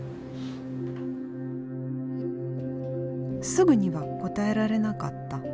すぐには答えられなかった。